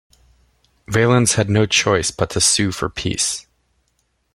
Valens had no choice but to sue for peace.